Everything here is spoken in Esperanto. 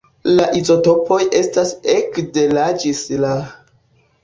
La izotopoj estas ekde La ĝis La.